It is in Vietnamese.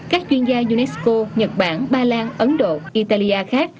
các chuyên gia unesco nhật bản ba lan ấn độ italia khác